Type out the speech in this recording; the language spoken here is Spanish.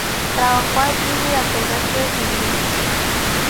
Trabajó allí durante el resto de su vida.